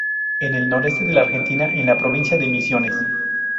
En el noreste de la Argentina, en la provincia de Misiones.